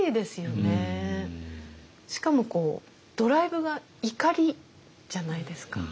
しかもドライブが怒りじゃないですか。